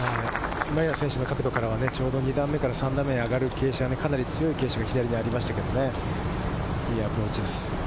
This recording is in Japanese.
今平選手の角度から２段目から３段目に上がる傾斜、かなり強い傾斜が左にありましたけれどもね、いいアプローチです。